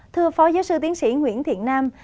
thưa phó giáo sư tiến sĩ nguyễn thiện nam